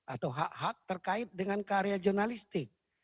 atau hak hak terkait dengan karya jurnalistik